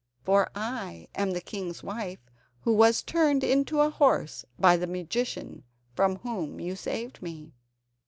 For I am the king's wife, who was turned into a horse by the magician from whom you saved me."